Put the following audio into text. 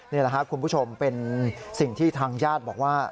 นี่แหละครับคุณผู้ชมเป็นสิ่งที่ทางญาติบอกว่า